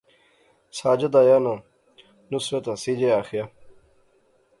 ساجد آیا ناں، نصرت ہنسی جے آخیا